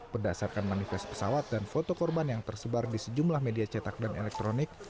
berdasarkan manifest pesawat dan foto korban yang tersebar di sejumlah media cetak dan elektronik